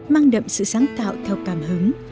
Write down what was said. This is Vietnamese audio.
mang đậm sự sáng tạo theo cảm hứng